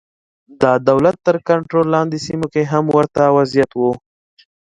د دولت تر کنټرول لاندې سیمو کې هم ورته وضعیت و.